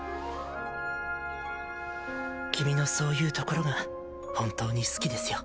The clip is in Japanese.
君のそういうところが本当に好きですよ。